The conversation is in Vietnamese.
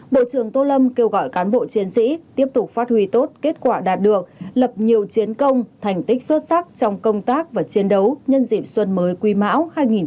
bộ trưởng tô lâm kêu gọi cán bộ chiến sĩ tiếp tục phát huy tốt kết quả đạt được lập nhiều chiến công thành tích xuất sắc trong công tác và chiến đấu nhân dịp xuân mới quý mão hai nghìn một mươi chín